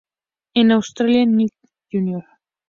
En Australia, Nick Jr.